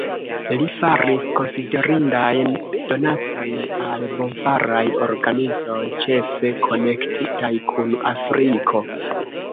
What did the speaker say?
Li faris konsiderindajn donacojn al bonfaraj organizoj, ĉefe konektitaj kun Afriko.